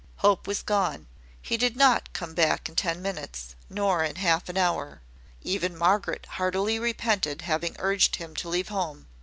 Hope was gone. He did not come back in ten minutes, nor in half an hour. Even Margaret heartily repented having urged him to leave home.